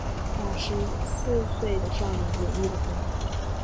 把十四岁的少年演绎的很好